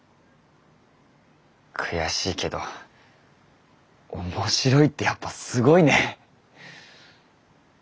悔しいけど面白いってやっぱすごいね！